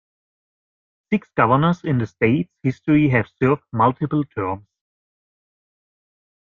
Six governors in the state's history have served multiple terms.